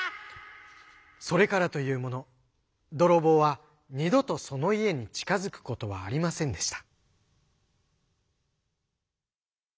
それからというもの泥棒は二度とその家に近づくことはありませんでした。